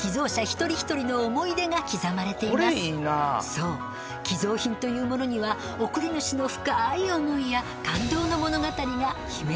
そう寄贈品というものには贈り主の深い思いや感動の物語が秘められてもいるのです。